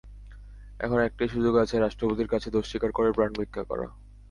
এখন একটাই সুযোগ আছে, রাষ্ট্রপতির কাছে দোষ স্বীকার করে প্রাণভিক্ষা করা।